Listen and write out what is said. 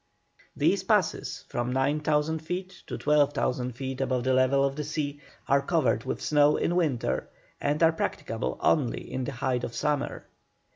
These passes, from 9,000 feet to 12,000 feet above the level of the sea, are covered with snow in winter, and are practicable only in the height of summer.